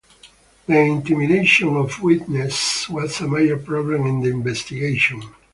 The intimidation of witnesses was a major problem in the investigation.